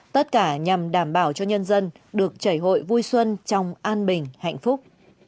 tất cả nhằm đảm bảo cho nhân dân được chảy hội vui xuân trong an bình hạnh phúc